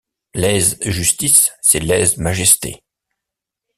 Lèse-justice, c’est lèse-majesté.